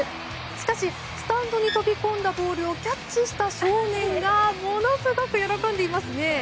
しかし、スタンドに飛び込んだボールをキャッチした少年がものすごく喜んでいますね。